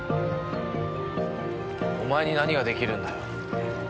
お前に何が出来るんだよ。